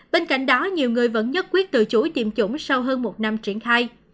bên cạnh đó nhiều người vẫn nhất quyết từ chối tiêm chủng sau hơn một năm triển khai